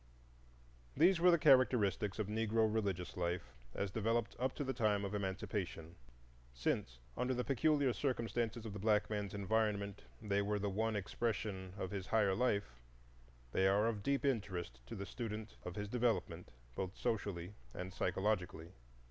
These were the characteristics of Negro religious life as developed up to the time of Emancipation. Since under the peculiar circumstances of the black man's environment they were the one expression of his higher life, they are of deep interest to the student of his development, both socially and psychologically.